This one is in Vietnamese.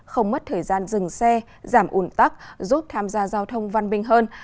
không mất thời gian dừng xe giảm ủn tắc giúp tham gia giao thông văn minh hơn